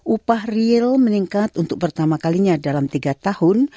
upah real meningkat untuk pertama kalinya dalam tiga tahun